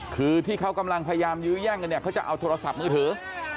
คือที่เขากำลังพยายามยื้อแย่งกันเนี่ยเขาจะเอาโทรศัพท์มือถือ